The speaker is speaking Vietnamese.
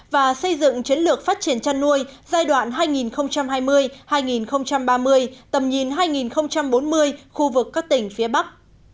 và xây dựng chiến lược phát triển chăn nuôi giai đoạn hai nghìn hai mươi hai nghìn ba mươi tầm nhìn hai nghìn bốn mươi khu vực các tỉnh phía bắc